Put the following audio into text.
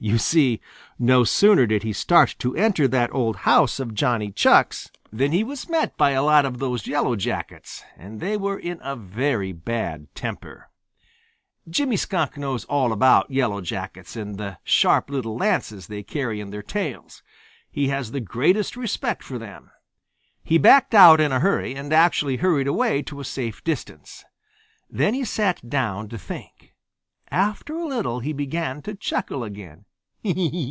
You see, no sooner did he start to enter that old house of Johnny Chuck's than he was met by a lot of those Yellow Jackets, and they were in a very bad temper. Jimmy Skunk knows all about Yellow Jackets and the sharp little lances they carry in their tails; he has the greatest respect for them. He backed out in a hurry and actually hurried away to a safe distance. Then he sat down to think. After a little he began to chuckle again.